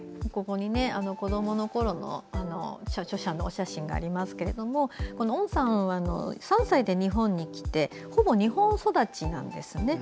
子どものころの著者の写真がありますけれども温さんは、３歳で日本に来てほぼ日本育ちなんですね。